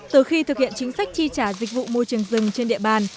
từ khi thực hiện chính sách tri trả dịch vụ môi trường rừng trên địa bàn